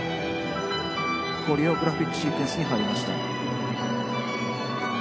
コレオグラフィックシークエンスに入りました。